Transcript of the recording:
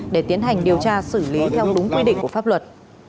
để tiến hành điều tra xử lý theo đúng quy định của pháp luật